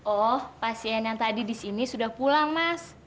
oh pasien yang tadi disini sudah pulang mas